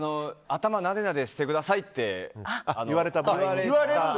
頭なでなでしてくださいって言われた場合です。